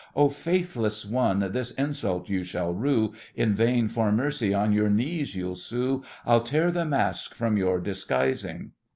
Oh, faithless one, this insult you shall rue! In vain for mercy on your knees you'll sue. I'll tear the mask from your disguising!